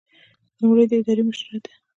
لومړی د ادارې مشري ده.